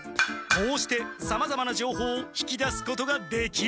こうしてさまざまなじょうほうを引き出すことができる。